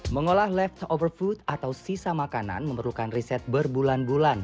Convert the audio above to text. mengolah leftover food atau sisa makanan memerlukan riset berbulan bulan